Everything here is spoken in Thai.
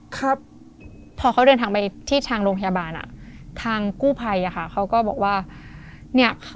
ครับพอเขาเดินทางไปที่ทางโรงพยาบาลอ่ะทางกู้ภัยอะค่ะเขาก็บอกว่าเนี่ย